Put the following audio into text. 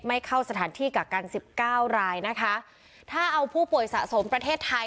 เข้าสถานที่กักกันสิบเก้ารายนะคะถ้าเอาผู้ป่วยสะสมประเทศไทย